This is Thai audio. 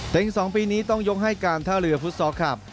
แต่อีก๒ปีนี้ต้องยกให้การท่าเรือฟุตซอลคลับ